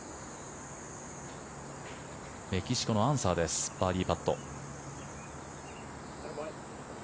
メキシコのアンサーですバーディーパット。